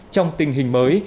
trong tình hình mới